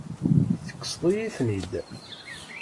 Tekkseḍ-iyi-ten-id.